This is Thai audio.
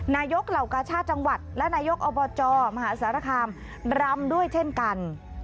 เหล่ากาชาติจังหวัดและนายกอบจมหาสารคามรำด้วยเช่นกัน